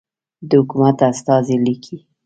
د حکومت استازی لیکي.